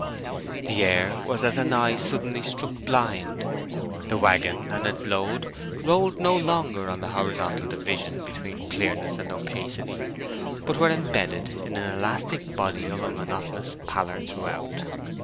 The air was as an eye suddenly struck blind. The waggon and its load rolled no longer on the horizontal division between clearness and opacity, but were imbedded in an elastic body of a monotonous pallor throughout.